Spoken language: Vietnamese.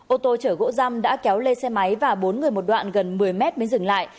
ô tô chở gỗ răm đã kéo lê xe máy và bốn người một đoạn gần một mươi mét mới dừng lại